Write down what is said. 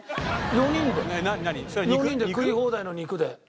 ４人で食い放題の肉で。